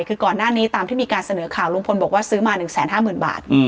คือก่อนหน้านี้ตามที่มีการเสนอข่าวลุงพลบอกว่าซื้อมา๑๕๐๐๐บาท